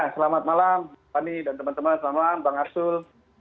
selamat malam pak arsul pak arsul